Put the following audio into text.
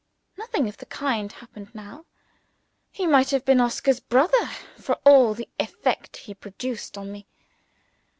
Nothing of the kind happened now. He might have been Oscar's brother for all the effect he produced on me.